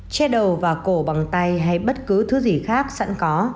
che đầu và cổ bằng tay hay bất cứ thứ gì khác sẵn có